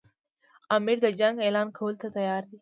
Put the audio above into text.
امیر د جنګ اعلان کولو ته تیار دی.